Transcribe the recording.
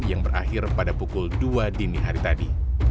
yang berakhir pada pukul dua dini hari tadi